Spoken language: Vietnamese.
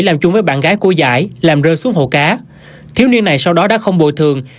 làm chung với bạn gái của giải làm rơi xuống hồ cá thiếu niên này sau đó đã không bồi thường